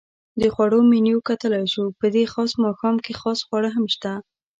د خوړو منیو کتلای شو؟ په دې خاص ماښام کې خاص خواړه هم شته.